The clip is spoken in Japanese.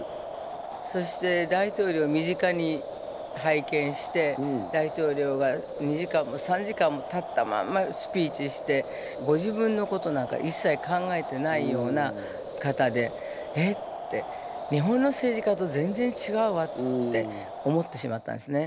そして大統領を身近に拝見して大統領が２時間も３時間も立ったまんまスピーチしてご自分のことなんかいっさい考えてないような方で「えっ？」て。って思ってしまったんですね。